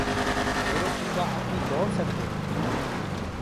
ميرو ڀوپآ اب بي دوڙ سگدو هي۔